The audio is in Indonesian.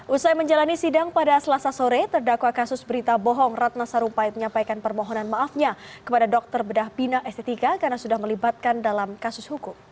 usai menjalani sidang pada selasa sore terdakwa kasus berita bohong ratna sarumpait menyampaikan permohonan maafnya kepada dokter bedah bina estetika karena sudah melibatkan dalam kasus hukum